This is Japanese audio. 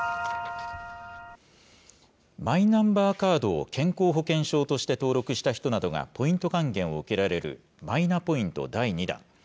マイナンバーカードを健康保険証として登録した人などがポイント還元を受けられるマイナポイント第２弾。